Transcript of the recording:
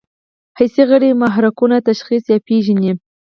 حسي غړي محرکونه تشخیص یا پېژني.